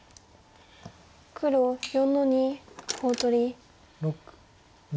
黒４の二コウ取り。